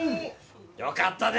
よかったで！